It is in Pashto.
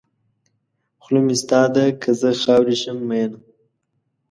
خوله مې ستا ده که زه خاورې شم مینه.